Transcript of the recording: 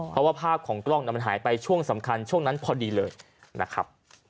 เพราะว่าภาพของกล้องมันหายไปช่วงสำคัญช่วงนั้นพอดีเลยนะครับ